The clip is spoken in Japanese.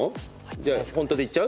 じゃあホントでいっちゃう？